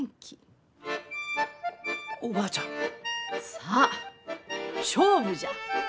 さあ勝負じゃ！